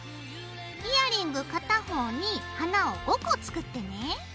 イヤリング片方に花を５個作ってね。